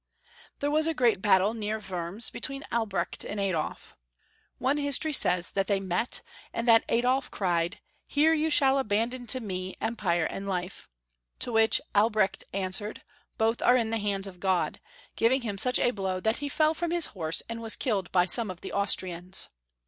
There was a great battle near Wurms between Albrecht and Adolf. One history says that they met, and that Adolf cried, " Here you shall abandon to me Empire and life," to which Albrecht answered, Albreeht. 208 Both are in the hands of God," giving him such a blow that he fell from his horse and was killed by some of the Austrians.